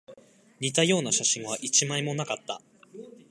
似たような写真は一枚もなかった